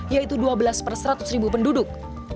yaitu dua belas per seratus ribu penduduk